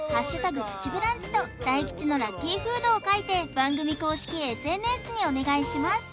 プチブランチと大吉のラッキーフードを書いて番組公式ＳＮＳにお願いします